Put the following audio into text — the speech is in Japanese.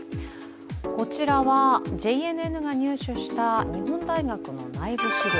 こちらは、ＪＮＮが入手した日本大学の内部資料。